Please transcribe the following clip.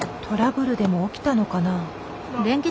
トラブルでも起きたのかな？